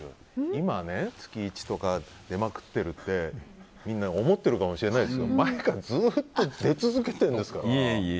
今は月１とかで出まくってるってみんな思ってるかもしれないですけど前からずっと出続けてるんですから。